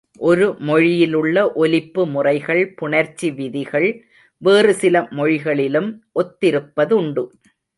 ஒரு மொழியிலுள்ள ஒலிப்பு முறைகள் புணர்ச்சி விதிகள், வேறுசில மொழிகளிலும் ஒத்திருப்பதுண்டு.